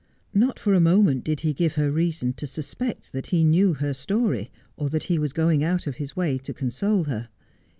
Not for a moment did he give her reason to suspect that he knew her story, or that he was going out of his way to console her.